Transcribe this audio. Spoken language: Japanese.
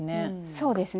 そうですね。